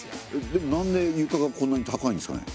でもなんで床がこんなに高いんですかね？